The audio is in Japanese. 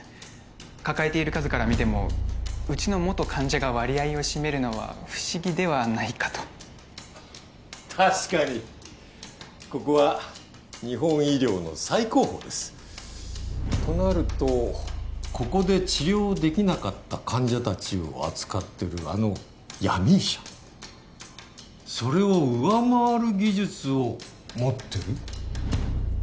抱えている数からみてもうちの元患者が割合を占めるのは不思議ではないかと確かにここは日本医療の最高峰ですとなるとここで治療できなかった患者達を扱ってるあの闇医者それを上回る技術を持ってる？